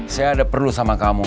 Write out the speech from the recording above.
saya ada perlu sama kamu